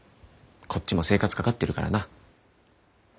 こっちも生活かかってるからな。